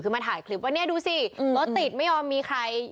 คือมาถ่ายคลิปว่าเนี่ยดูสิรถติดไม่ยอมมีใคร